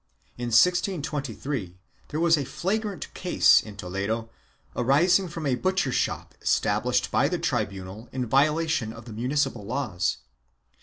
In 1623 there was a flagrant case in Toledo, arising from a butcher shop established by the tribunal in violation of the municipal laws.